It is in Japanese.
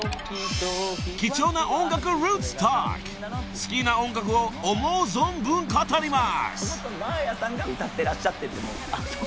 ［好きな音楽を思う存分語ります］